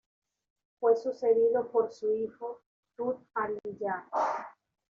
Fue sucedido por su hijo, Tudhaliya.